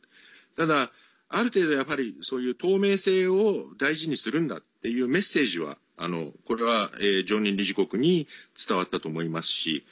ただ、ある程度透明性を大事にするんだっていうメッセージはこれは、常任理事国に伝わったと思いますし。